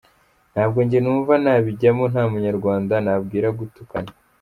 " Ntabwo njye numva nabijyamo nta n’umunyarwanda nabwira gutukana.